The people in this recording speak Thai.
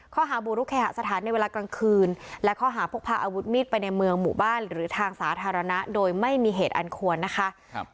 ข้อหาบุกรุกเคหสถานในเวลากลางคืนและข้อหาพกพาอาวุธมีดไปในเมืองหมู่บ้านหรือทางสาธารณะโดยไม่มีเหตุอันควรนะคะ